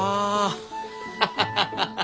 ハハハハ！